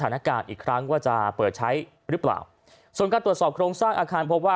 อาการอีกครั้งว่าจะเปิดใช้หรือเปล่าส่วนการตรวจสอบโครงสร้างอาคารพบว่า